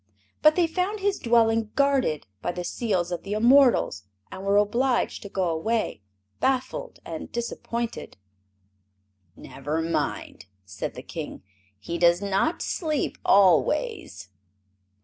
But they found his dwelling guarded by the Seals of the Immortals and were obliged to go away baffled and disappointed. "Never mind," said the King; "he does not sleep always!"